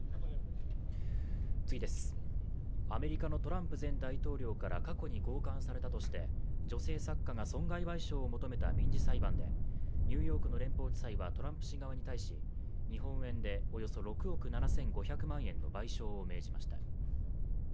アメリカのトランプ前大統領から過去に強姦されたとして女性作家が損害賠償を求めた民事裁判でニューヨークの連邦地裁はトランプ氏側に対し日本円でおよそ６億７５００万円の賠償を命じました。